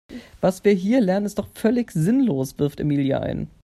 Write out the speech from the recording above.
Was wir hier lernen ist doch völlig sinnlos, wirft Emilia ein.